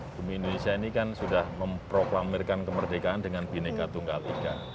bumi indonesia ini kan sudah memproklamirkan kemerdekaan dengan bineka tunggal tiga